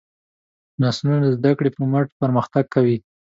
نسلونه د زدهکړې په مټ پرمختګ کوي.